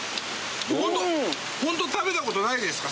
ホント食べたことないですか？